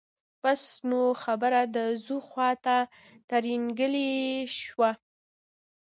بس نو خبره د ځو خواته ترینګلې شوه.